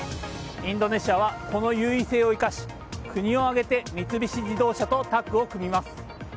インドネシアはこの優位性を生かし、国を挙げて三菱自動車とタッグを組みます。